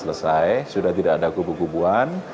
selesai sudah tidak ada kubu kubuan